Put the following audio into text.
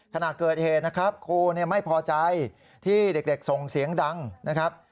ขณะเกิดเหตุนะครับครูไม่พอใจที่เด็กส่งเสียงดังนะครับ